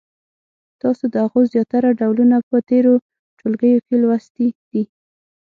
تاسو د هغو زیاتره ډولونه په تېرو ټولګیو کې لوستي دي.